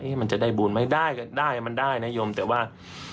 เอ๊ะมันจะได้บุญไหมได้มันได้นะโยมแต่ว่า